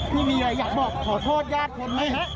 พี่มีอะไรอยากบอกขอโทษญาติคนไหมฮะ